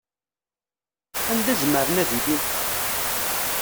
Anda zemren ad ilin?